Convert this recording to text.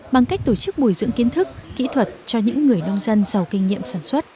bằng cách tổ chức bồi dưỡng kiến thức kỹ thuật cho những người nông dân giàu kinh nghiệm sản xuất